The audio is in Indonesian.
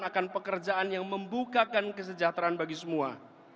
akan pekerjaan yang membukakan kesejahteraan bagi semua